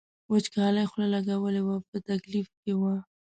وچکالۍ خوله لګولې وه په تکلیف کې و.